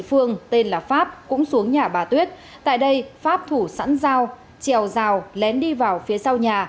phương tên là pháp cũng xuống nhà bà tuyết tại đây pháp thủ sẵn dao trèo rào lén đi vào phía sau nhà